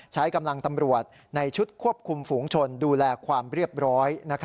ใช้กำลังตำรวจในชุดควบคุมฝูงชนดูแลความเรียบร้อย